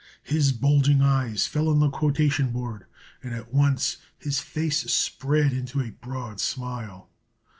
His bulging eyes fell on the quotation board, and at once his face spread into a broad smile.